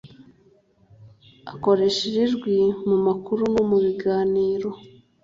akoresha iri jwi mu makuru no mu biganiro